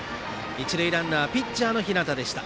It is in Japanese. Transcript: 一塁ランナーはピッチャーの日當でした。